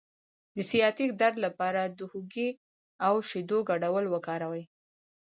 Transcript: د سیاتیک درد لپاره د هوږې او شیدو ګډول وکاروئ